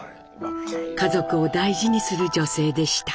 家族を大事にする女性でした。